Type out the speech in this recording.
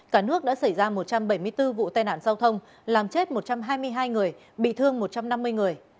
cả nước đã xảy ra một trăm bảy mươi bốn vụ tai nạn giao thông làm chết một trăm hai mươi hai người bị thương một trăm năm mươi người